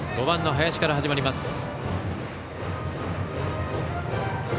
５番の林から始まります。